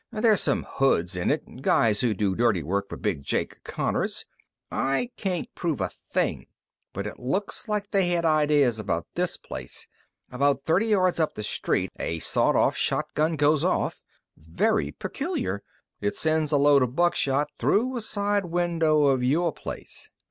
"There's some hoods in it guys who do dirty work for Big Jake Connors. I can't prove a thing, but it looks like they had ideas about this place. About thirty yards up the street a sawed off shotgun goes off. Very peculiar. It sends a load of buckshot through a side window of your place."